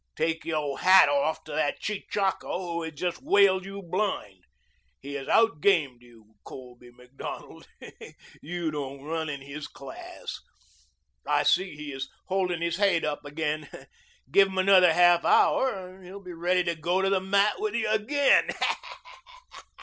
Take your hat off to that chechacko who has just whaled you blind. He has outgamed you, Colby Macdonald. You don't run in his class. I see he is holding his haid up again. Give him another half hour and he'd be ready to go to the mat with you again."